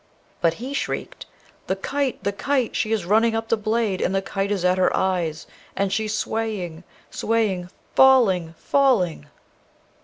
But he shrieked, 'The kite! the kite! she is running up the blade, and the kite is at her eyes! and she swaying, swaying! falling, falling!'